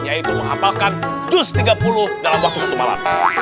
yaitu menghapalkan just tiga puluh dalam waktu satu malam